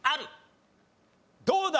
どうだ？